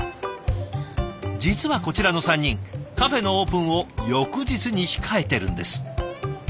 実はこちらの３人カフェのオープンを翌日に控えてるんです。